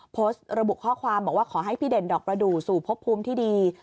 โพสต์ระบุข้อความบอกว่าขอให้พี่เด่นดอกประดูกสู่พบภูมิที่ดี